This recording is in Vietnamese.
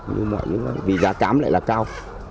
nhưng mà vì giá cám lại là cao